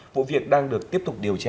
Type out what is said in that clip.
vụ việc đang được tiếp tục điều tra xử lý